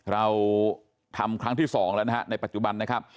เราทำครั้งที่๒แล้วนะฮะในปัจจุบันนะครับ